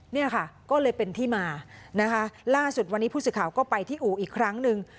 เนี่ยค่ะก็เลยเป็นที่มานะคะล่าสุดวันนี้ผู้สื่อข่าวก็ไปที่อู่อีกครั้งหนึ่ง